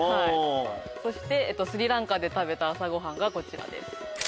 そしてスリランカで食べた朝ごはんがこちらです。